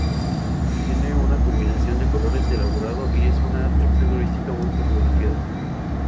Tiene una combinación de colores elaborado y es una atracción turística muy fotografiada.